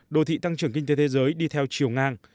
đô thị tăng trưởng kinh tế thế giới đi theo chiều ngang